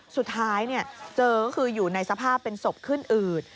สุดท้ายเจอก็คืออยู่ในสภาพเป็นศพขึ้นอืด